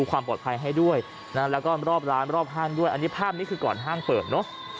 ความปลอดภัยให้ด้วยนะแล้วก็รอบร้านรอบห้างด้วยอันนี้ภาพนี้คือก่อนห้างเปิดเนอะ